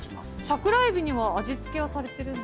桜えびには味付けはされてるんですか？